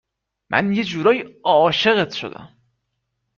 من یه جورایی عاشقت شدم